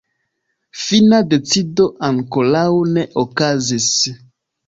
Fina decido ankoraŭ ne okazis.